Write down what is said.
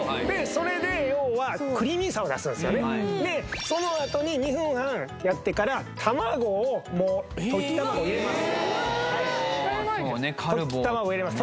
それで要はクリーミーさを出すんですよねでそのあとに２分半やってから卵を溶き卵を入れます溶き卵を入れます